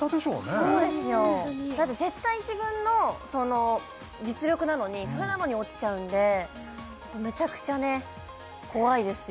そうですよだって絶対１軍の実力なのにそれなのに落ちちゃうんでメチャクチャね怖いですよ